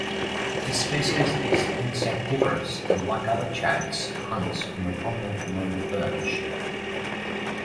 This species is insectivorous, and like other chats hunts from a prominent low perch.